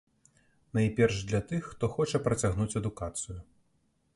Найперш для тых, хто хоча працягнуць адукацыю.